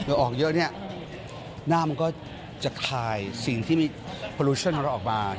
เหงื่อออกเยอะนี่น้ำมันก็จะคายสิ่งที่มีโปรโลชั่นของเราออกมา